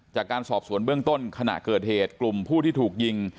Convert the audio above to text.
จากการสอบสวนเบื้องต้นขณะเกิดเหตุกลุ่มผู้ที่ถูกยิง